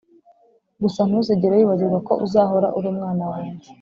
gusa ntuzigera wibagirwa ko uzahora uri umwana wanjye.